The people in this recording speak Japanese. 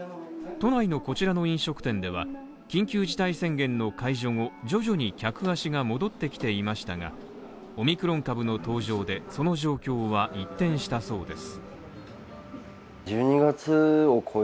都内のこちらの飲食店では、緊急事態宣言の解除後、徐々に客足が戻ってきていましたが、オミクロン株の登場で、その状況は一転したそうです。